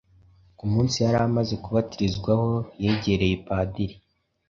Ku munsi yari amaze kubatirizwaho yegereye Padiri